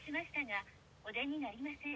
お出になりません。